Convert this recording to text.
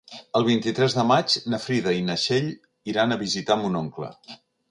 El vint-i-tres de maig na Frida i na Txell iran a visitar mon oncle.